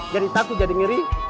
jadi takut jadi ngeri